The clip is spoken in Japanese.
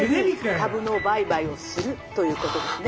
「株の売買をするということですね」。